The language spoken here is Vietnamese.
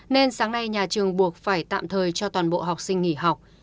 nên sáng nay nhà trường buộc phải tạm thời cho toàn bộ học sinh nghỉ học